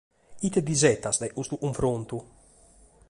Ite t'isetas dae custu cunfrontu?